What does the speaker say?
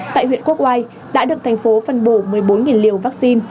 tại hà nội đã được thành phố phân bổ một mươi bốn liều vaccine